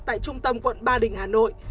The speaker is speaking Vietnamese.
tại trung tâm quận ba đình hà nội